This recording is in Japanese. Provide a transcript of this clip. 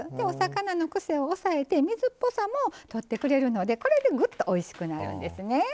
お魚のクセを抑えて水っぽさもとってくれるのでこれでぐっとおいしくなるんですね。